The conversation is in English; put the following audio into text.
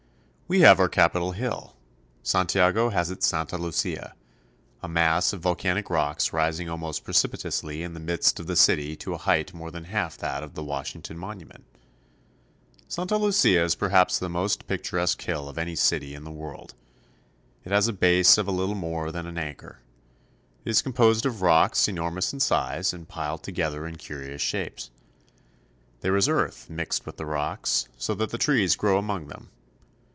We have our Capitol Hill. Santiago has its Santa Lucia (loo se'a), a mass of volcanic rocks rising almost precipitously in the midst of the city to a height more than half that of the Washington Monument. Santa Lucia is perhaps the most picturesque hill of any city of the world. It has a base of a little more than an acre. It is composed of rocks enormous in size and piled together in curious shapes. There is earth mixed with the rocks, so that trees grow among them.